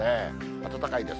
暖かいです。